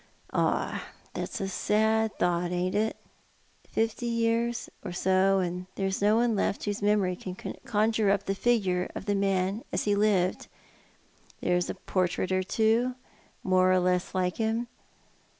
" Ah, that's a sad thought, ain't it ? Fifty years, or so, and there's no one left whose memory can conjure up the figure of the man as he lived. There's a portrait or two, more or less like him.